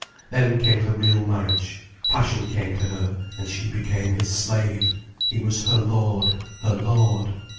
Then came the real marriage, passion came to her, and she became his slave, he was her lord, her lord.